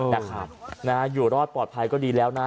นะครับอยู่รอดปลอดภัยก็ดีแล้วนะ